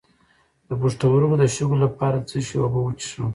د پښتورګو د شګو لپاره د څه شي اوبه وڅښم؟